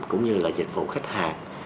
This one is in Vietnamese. cũng như là dịch vụ khách hàng